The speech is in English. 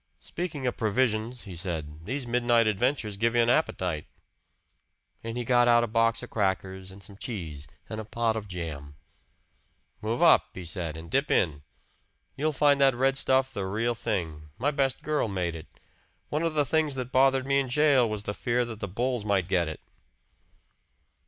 "Speaking of provisions," he said, "these midnight adventures give you an appetite." And he got out a box of crackers and some cheese and a pot of jam. "Move up," he said, "and dip in. You'll find that red stuff the real thing. My best girl made it. One of the things that bothered me in jail was the fear that the bulls might get it."